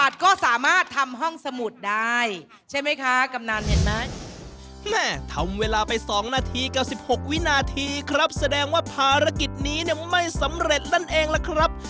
ทำเวลาไป๒นาทีกับ๑๖วินาทีครับแสดงว่าภารกิจนี้เนี่ยไม่สำเร็จนั่นเองล่ะครับ